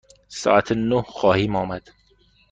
ساعت نه خواهیم آمد.